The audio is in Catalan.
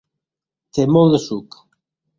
Té molt de suc.